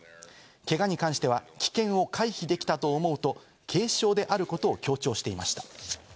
けがに関しては危険を回避できたと思うと、軽症であることを強調していました。